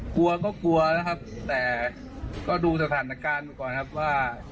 กลัวก็กลัวนะครับแต่ก็ดูสถานการณ์ก่อนครับว่า